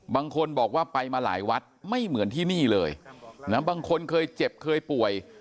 บางคนบอกว่าไปมาหลายวัดไม่เหมือนที่นี่เลยนะบางคนเคยเจ็บเคยป่วย